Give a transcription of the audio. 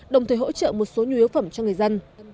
đồng thời hỗ trợ một số nhu yếu phẩm cho người dân